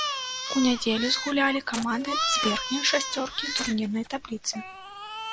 У нядзелю згулялі каманды з верхняй шасцёркі турнірнай табліцы.